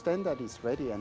truk masih digunakan